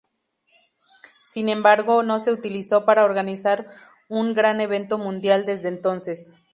Sin embargo, no se utilizó para organizar un gran evento mundial desde entonces.